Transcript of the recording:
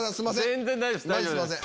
全然大丈夫です。